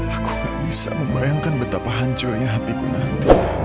aku gak bisa membayangkan betapa hancurnya hatiku nanti